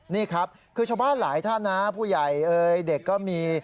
นี่ครับคือชาวบ้านหลายท่านนะผู้ใหญ่เอ่ยเด็กก็มี